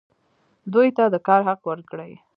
دوی ته د کار حق ورکړئ